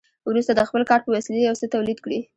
وروسته د خپل کار په وسیله یو څه تولید کړي